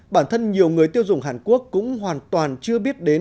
bản thân nhiều người tiêu dùng hàn quốc cũng hoàn toàn chưa biết đến